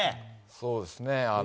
そうですね。